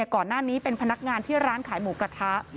ก่อนหน้านี้เป็นพนักงานที่ร้านขายหมูกระทะ